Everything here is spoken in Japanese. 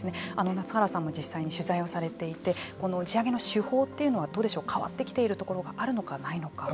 夏原さんも実際に取材をされていてこの地上げの手法というのはどうでしょう変わってきているところがあるのかないのか。